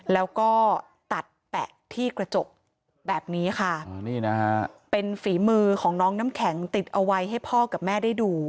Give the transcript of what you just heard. แล้วก็ตัดแปะที่กระจกแบบนี้ค่ะนี่นะฮะเป็นฝีมือของน้องน้ำแข็งติดเอาไว้ให้พ่อกับแม่ได้ดู